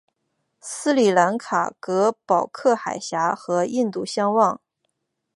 斯里兰卡隔保克海峡和印度相望。